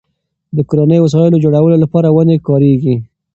د کورنیو وسایلو جوړولو لپاره ونې کارېږي.